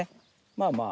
まあまあ。